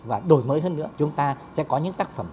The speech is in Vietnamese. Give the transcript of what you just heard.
và đổi mới hơn nữa chúng ta sẽ có những tác phẩm